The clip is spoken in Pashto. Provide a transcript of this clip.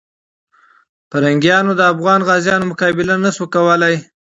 پرنګیانو د افغان غازیانو مقابله نه سوه کولای.